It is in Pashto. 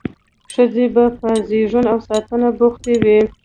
ښځې به په زیږون او ساتنه بوختې وې.